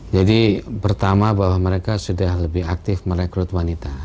jadi pertama bahwa mereka sudah lebih aktif merekrut wanita